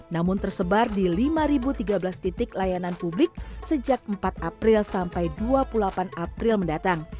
namun tersebar di lima tiga belas titik layanan publik sejak empat april sampai dua puluh delapan april mendatang